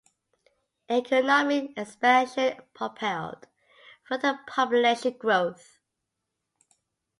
Economic expansion propelled further population growth.